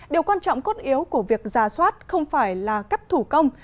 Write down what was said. điều quan trọng cốt yếu của việc ra soát không phải là cắt thủ công